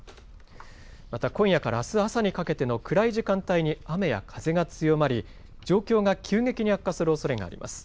また今夜からあす朝にかけての暗い時間帯に雨や風が強まり状況が急激に悪化するおそれがあります。